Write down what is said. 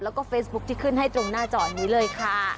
แล้วก็เฟซบุ๊คที่ขึ้นให้ตรงหน้าจอนี้เลยค่ะ